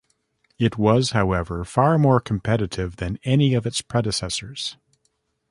It was, however, far more competitive than any of its predecessors.